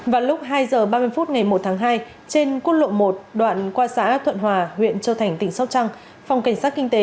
vào lúc hai h ba mươi phút ngày một tháng hai trên quốc lộ một đoạn qua xã thuận hòa huyện châu thành tỉnh sóc trăng